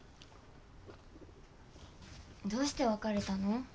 どうして別れたの？